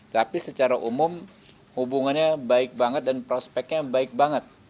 tapi secara umum hubungannya baik banget dan prospeknya baik banget